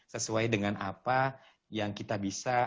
sesuai dengan apa yang kita bisa